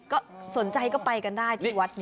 ก็สนใจก็ไปกันได้ที่วัดนี้